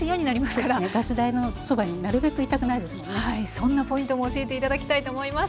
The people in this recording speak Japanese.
そんなポイントも教えて頂きたいと思います。